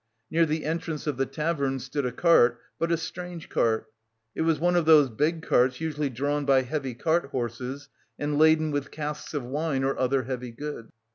Near the entrance of the tavern stood a cart, but a strange cart. It was one of those big carts usually drawn by heavy cart horses and laden with casks of wine or other heavy goods.